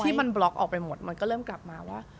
ที่มันบล็อกออกไปหมดมันก็เริ่มกลับมาว่า